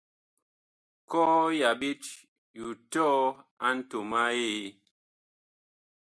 Kɔɔ ya ɓet yu tɔɔ a ntom a Eee.